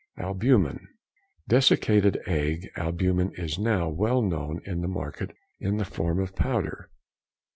Albumen.—Desiccated egg albumen is now well known in the market in the form of powder.